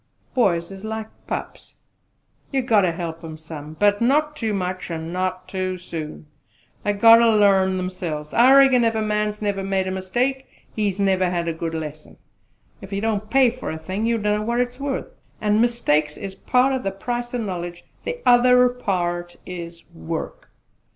"Boys is like pups you got ter help 'em some; but not too much, an' not too soon. They got ter larn themselves. I reckon ef a man's never made a mistake he's never had a good lesson. Ef you don't pay for a thing you don't know what it's worth; and mistakes is part o' the price o' knowledge the other part is work!